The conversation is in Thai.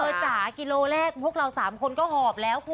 จ๋ากิโลแรกพวกเรา๓คนก็หอบแล้วคุณ